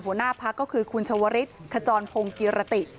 หัวหน้าพักก็คือคุณชวริสขจรพงศ์กิรติ